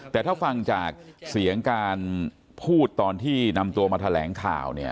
แต่ถ้าฟังจากเสียงการพูดตอนที่นำตัวมาแถลงข่าวเนี่ย